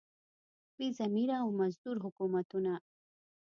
بې ضمیره او مزدور حکومتونه.